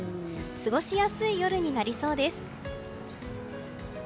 過ごしやすい夜になりそうです。